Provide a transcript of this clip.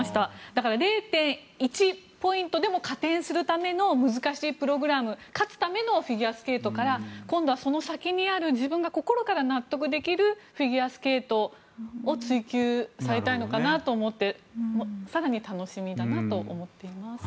だから０．１ポイントでも加点するための難しいプログラム、勝つためのフィギュアスケートから今度はその先にある自分が心から納得できるフィギュアスケートを追求されたいのかなと思って更に楽しみだなと思っています。